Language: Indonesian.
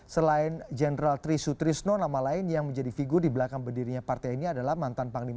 selain jenderal tri sutrisno nama lain yang menjadi figur di belakang berdirinya partai ini adalah mantan panglima